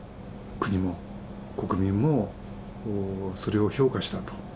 国も国民もそれを評価したと。